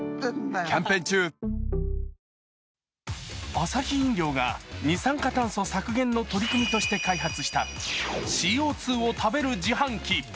アサヒ飲料が二酸化炭素削減の取り組みとして開発したＣＯ２を食べる自販機。